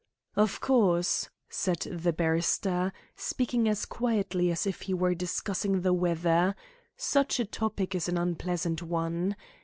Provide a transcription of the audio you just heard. "Of course," said the barrister, speaking as quietly as if he were discussing the weather, "such a topic is an unpleasant one.